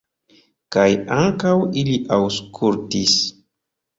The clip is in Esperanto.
Kaj ankaŭ ili aŭskultis.